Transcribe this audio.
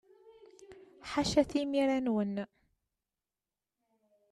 Ḥaca timira-nwen!